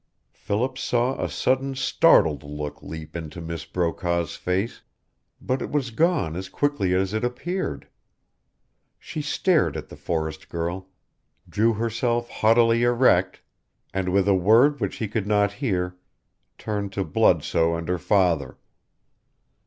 Philip saw a sudden startled look leap into Miss Brokaw's face, but it was gone as quickly as it appeared. She stared at the forest girl, drew herself haughtily erect, and, with a word which he could not hear, turned to Bludsoe and her father.